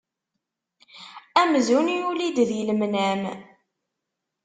Amzun yuli-d di lemnam.